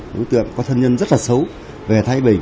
đối tượng có thân nhân rất là xấu về thái bình